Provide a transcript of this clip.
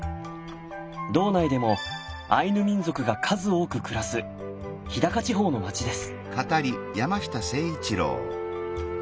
道内でもアイヌ民族が数多く暮らす日高地方の町です。